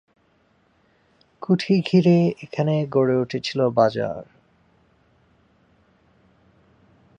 কুঠি ঘিরে এখানে গড়ে উঠেছিল বাজার।